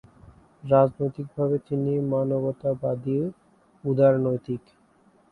রাজনৈতিক ভাবে তিনি মানবতাবাদী উদারনৈতিক।